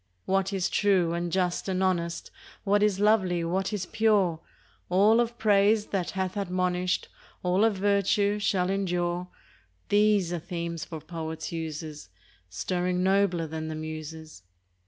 What is true and just and honest, What is lovely, what is pure, — All of praise that hath admonish'd, All of virtue, shall endure, — These are themes for poets' uses, Stirring nobler than the Muses.